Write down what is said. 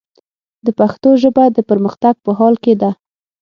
د پښتو ژبه، د پرمختګ په حال کې ده.